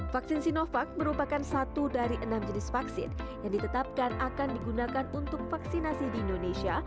vaksin sinovac merupakan satu dari enam jenis vaksin yang ditetapkan akan digunakan untuk vaksinasi di indonesia